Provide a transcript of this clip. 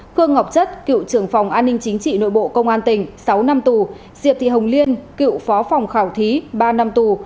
khương ngọc chất cựu trưởng phòng an ninh chính trị nội bộ công an tỉnh sáu năm tù diệp thị hồng liên cựu phó phòng khảo thí ba năm tù